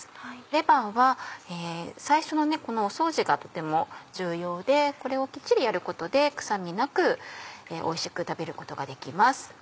レバーは最初の掃除がとても重要でこれをきっちりやることで臭みなくおいしく食べることができます。